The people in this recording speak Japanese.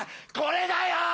これだよ！